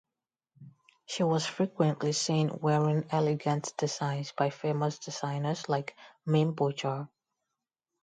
She was frequently seen wearing elegant designs by famous designers like Mainbocher.